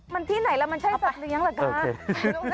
มันที่ไหนแล้วมันใช่สัตว์เลี้ยงเหรอคะ